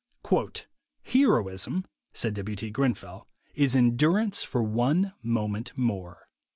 "Heroism," said W. T. Grenfell, "is endurance for one moment more."